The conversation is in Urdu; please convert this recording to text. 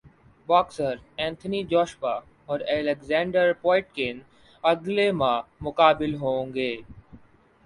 باکسر انتھونی جوشوا اور الیگزینڈر پویٹکن اگلے ماہ مقابل ہوں گے